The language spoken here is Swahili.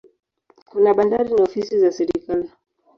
Kuna bandari na ofisi za serikali.